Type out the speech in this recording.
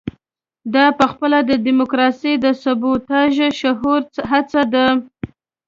دا پخپله د ډیموکراسۍ د سبوتاژ شعوري هڅه ده.